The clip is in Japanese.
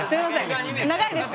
長いですか？